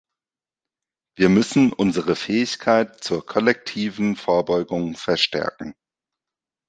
Wir müssen unsere Fähigkeit zur kollektiven Vorbeugung verstärken.